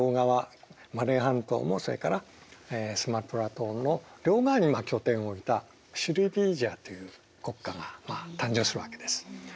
マレー半島もそれからスマトラ島も両側に拠点を置いたシュリーヴィジャヤという国家が誕生するわけです。